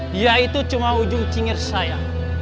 dia itu cuma ujung cingir saya